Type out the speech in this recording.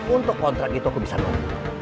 untuk kontrak itu aku bisa nunggu